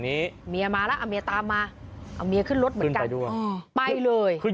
อันนี้ข้างไปเลย